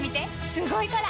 すごいから！